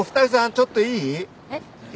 ちょっといい？